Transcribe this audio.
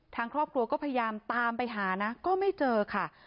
ทางครอบครัวก็พยายามตามไปหานะก็ไม่เจอค่ะ